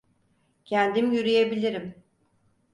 Kendim yürüyebilirim.